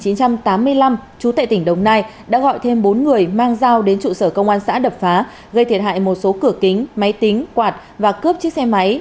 năm một nghìn chín trăm tám mươi năm trú tại tỉnh đồng nai đã gọi thêm bốn người mang giao đến trụ sở công an xã đập phá gây thiệt hại một số cửa kính máy tính quạt và cướp chiếc xe máy